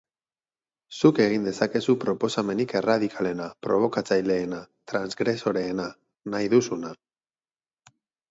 Zuk egin dezakezu proposamenik erradikalena, probokatzaileena, transgresoreena, nahi duzuna...